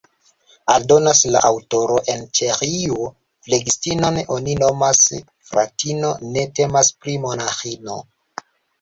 Aldonas la aŭtoro: En Ĉeĥio flegistinon oni nomas fratino: ne temas pri monaĥino.